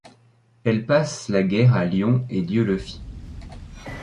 Elle passe la guerre à Lyon et Dieulefit.